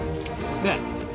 ねえ？